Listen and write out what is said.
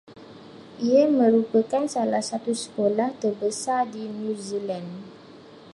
Ia merupakan salah satu sekolah terbesar di New Zealand